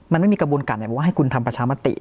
มันไม่มีกระบวนการไหนบอกว่าให้คุณทำประชามติ